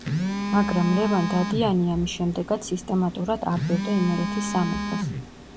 მაგრამ ლევან დადიანი ამის შემდეგაც სისტემატურად არბევდა იმერეთის სამეფოს.